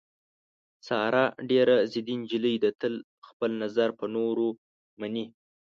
ساره ډېره ضدي نجیلۍ ده، تل خپل نظر په نورو مني.